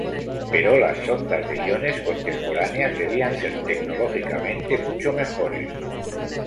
Pero las sondas de iones contemporáneas debían ser tecnológicamente mucho mejores.